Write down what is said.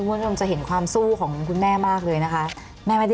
คุณผู้ชมจะเห็นความสู้ของคุณแม่มากเลยนะคะแม่ไม่ได้